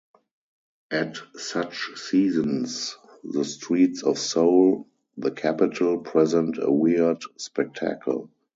At such seasons, the streets of Seoul, the capital, present a weird spectacle.